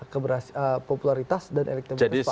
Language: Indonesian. keberhasilan popularitas dan elektribus pak